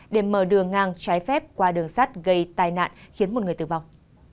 để mở đường ngang trái phép qua đường sắt gây tai nạn khiến một người tử vong